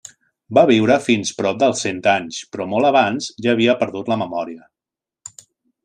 Va viure fins prop dels cent anys però molt abans ja havia perdut la memòria.